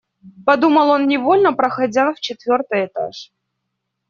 Подумал он невольно, проходя в четвертый этаж.